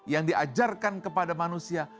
yang diajarkan kepada manusia